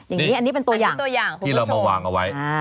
อันนี้เป็นตัวอย่างที่เรามาวางเอาไว้